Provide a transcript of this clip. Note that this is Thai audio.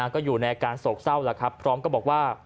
ก็อยู่ในอาการโศกเศร้าแล้วครับพร้อมก็บอกว่า